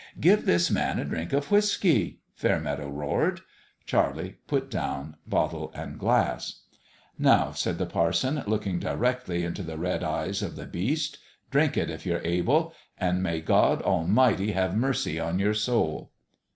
" Give this man a drink of whiskey !" Fair meadow roared. Charlie put down bottle and glass. " Now," said the parson, looking directly into the red eyes of the Beast, " drink it if you're able. And may God Almighty have mercy on your soul